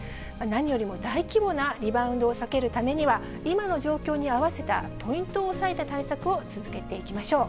何よりも大規模なリバウンドを避けるためには、今の状況に合わせたポイントを押さえた対策を続けていきましょう。